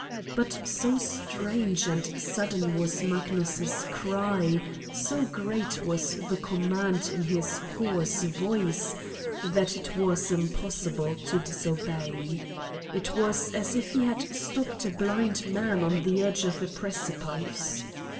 But so strange and sudden was Magnus 9 cry, so great was the command in his hoarse voice, that it was impossible to disobey. It was as if he had stopped a blind man on the edge of a precipice!